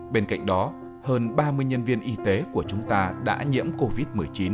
bên cạnh đó hơn ba mươi nhân viên y tế của chúng ta đã nhiễm covid một mươi chín